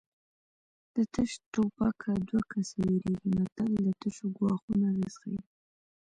د تش ټوپکه دوه کسه ویرېږي متل د تشو ګواښونو اغېز ښيي